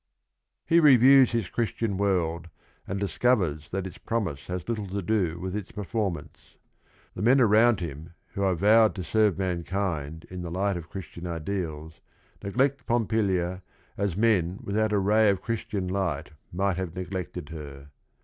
He reviews his Christian world and discovers that its promise has little to do with its perform ance. The men around him who are vowed to serve mankind in the light of Christian ideals neglect Pompilia as men without a ray of Chris tian light might have neglected her.